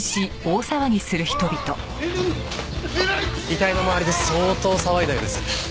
遺体の周りで相当騒いだようです。